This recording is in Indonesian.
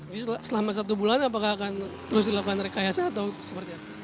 jadi selama satu bulan apakah akan terus dilakukan rekayasa atau seperti apa